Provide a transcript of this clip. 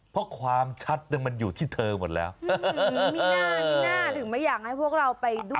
เพราะความชัดมันอยู่ที่เธอหมดแล้วมีหน้ามีหน้าถึงไม่อยากให้พวกเราไปด้วย